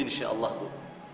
insya allah bu